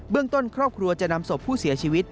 ต้นครอบครัวจะนำศพผู้เสียชีวิต